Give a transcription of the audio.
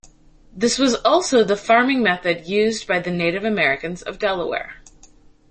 This was also the farming method used by the Native Americans of Delaware.